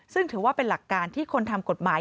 ซึ่งถือว่าเป็นหลักการที่คนทำกฎหมาย